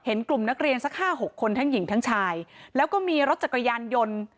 กลุ่มนักเรียนสักห้าหกคนทั้งหญิงทั้งชายแล้วก็มีรถจักรยานยนต์